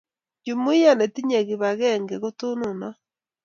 Jumuia netinyei kip agenge kotononot